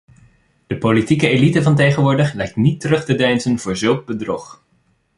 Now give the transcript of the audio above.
De politieke elite van tegenwoordig lijkt niet terug te deinzen voor zulk bedrog.